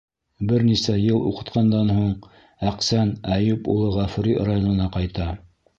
Бер нисә йыл уҡытҡандан һуң, Әҡсән Әйүп улы Ғафури районына ҡайта.